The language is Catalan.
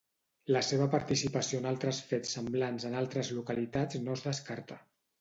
La seva participació en altres fets semblants en altres localitats no es descarta.